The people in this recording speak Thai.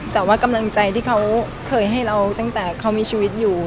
แต่ว่ากำลังใจที่เขาเคยให้เราตั้งแต่เขามีชีวิตอยู่